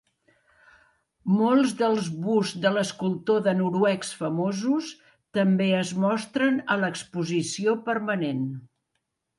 Molts dels busts de l'escultor de noruecs famosos també es mostren a l'exposició permanent.